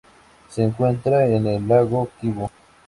Se encuentra en el lago Kivu.